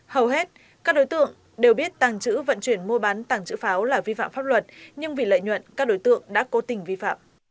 hầu hết các đối tượng đều biết tàng trữ vận chuyển mua bán tàng trữ pháo là vi phạm pháp luật nhưng vì lợi nhuận các đối tượng đã cố tình vi phạm